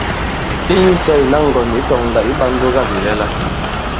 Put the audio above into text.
Inyu cɛ ìna ŋgɔ̀n ǐ tɔ̄ŋ lā ǐ ɓā ǹdugabìlɛla ?